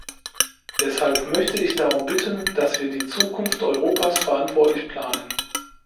Deshalb möchte ich darum bitten, dass wir die Zukunft Europas verantwortlich planen.